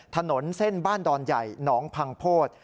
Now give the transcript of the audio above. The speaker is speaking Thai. ถนนเส้นบ้านดอนใหญ่หนองพังโพธิ